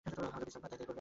হযরত ইসহাক তাই করলেন।